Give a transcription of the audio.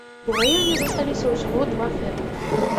У раёне засталіся ўсяго два фермеры.